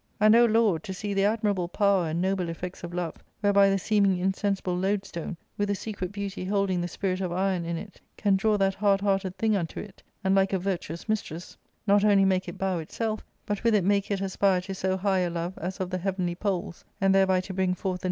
And, O Lord, to see the admirable power and noble effects of love, whereby the seeming insensible loadstone, with a secret beauty holding the spirit of iron in it, can draw that hardhearted thing unto it, and, like a virtuous mistress, not only make it bow itself, but with it make it aspire to so high a love as of the heavenly poles, and thereby to bring forth the